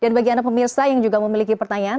dan bagi anda pemirsa yang juga memiliki pertanyaan